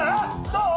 どう？